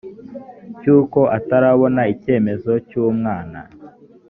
cy uko atarabona icyemezo cy umwana